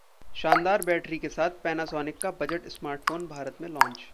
शानदार बैटरी के साथ Panasonic का बजट स्मार्टफोन भारत में लॉन्च